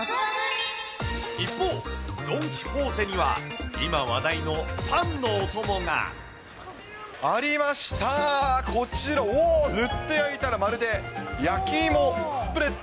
一方、ドン・キホーテには、ありました、こちら、おー、ぬって焼いたらまるで焼き芋スプレッド